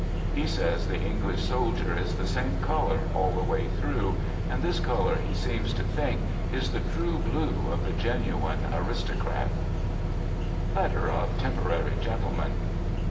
He says the English soldier is the " same color all the way through," and this color he seems to think is the true blue of the genuine aristocrat: {Letter of " Temporary Gentleman